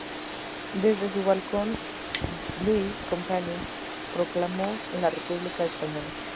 Desde su balcón, Lluís Companys proclamó la República española.